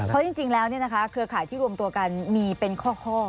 เพราะจริงแล้วเนี่ยนะคะเครือขายที่รวมตัวการมีเป็นข้อ